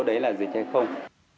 đấy là dịch hay không